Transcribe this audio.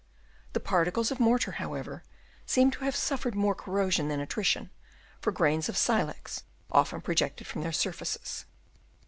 The particles of mortar, however, seemed to have suffered more corrosion than attrition, for grains of silex often projected from their surfaces.